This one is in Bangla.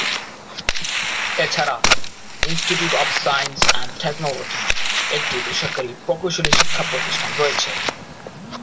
এছাড়া, institute of science and technology নামে একটি বেসরকারি প্রকৌশলী শিক্ষা প্রতিষ্ঠান রয়েছে।